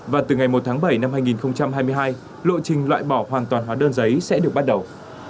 và từ ngày một tháng bảy năm hai nghìn hai mươi hai lộ trình loại bỏ hoàn toàn hóa đơn giấy sẽ được bắt đầu